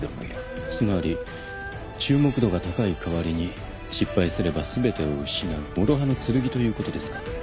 つまり注目度が高い代わりに失敗すれば全てを失うもろ刃の剣ということですか。